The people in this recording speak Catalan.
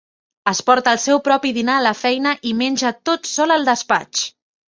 Es porta el seu propi dinar a la feina i menja tot sol al despatx.